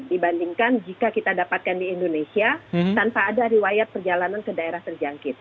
dibandingkan jika kita dapatkan di indonesia tanpa ada riwayat perjalanan ke daerah terjangkit